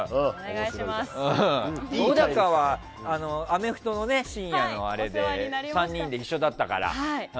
小高はアメフトの深夜のあれで３人で一緒だったから。